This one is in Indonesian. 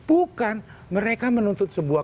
bukan mereka menuntut sebuah